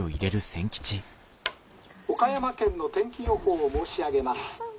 「岡山県の天気予報を申し上げます。